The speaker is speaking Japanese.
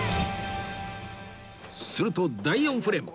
すると第４フレーム